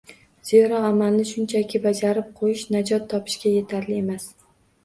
Zero, amalni shunchaki bajarib qo‘yish najot topishga yetarli emas.